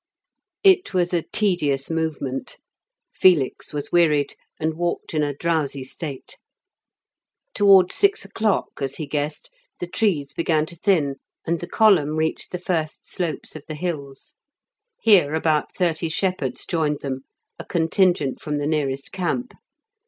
It was a tedious movement. Felix was wearied, and walked in a drowsy state. Towards six o'clock, as he guessed, the trees began to thin, and the column reached the first slopes of the hills. Here about thirty shepherds joined them, a contingent from the nearest camp.